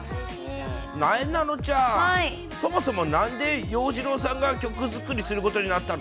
なえなのちゃん、そもそも、なんで洋次郎さんが曲作りすることになったの？